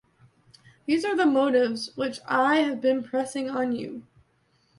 These are the motives which I have been pressing on you.